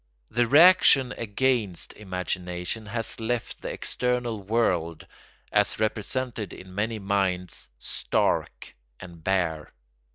The reaction against imagination has left the external world, as represented in many minds, stark and bare.